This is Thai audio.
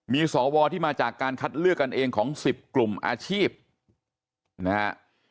มีสวที่มาจากการคัดเลือกกันเองของ๑๐กลุ่มอาชีพนะฮะ